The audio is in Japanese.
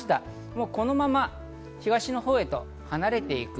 もうこのまま東のほうへと離れていく。